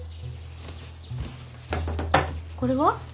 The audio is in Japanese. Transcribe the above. これは？